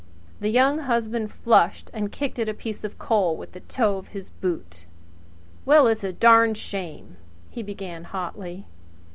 The Young Husband flushed and kicked at a piece of coal with the toe of his boot. "Well, it's a darned shame!" he began hotly.